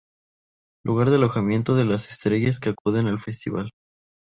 Lugar de alojamiento de las estrellas que acuden al Festival.